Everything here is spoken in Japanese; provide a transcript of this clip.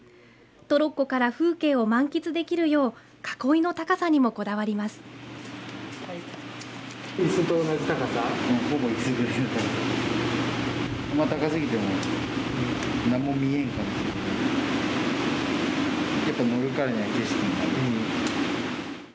トロッコから風景を満喫できるよう囲いの高さにもこだわります。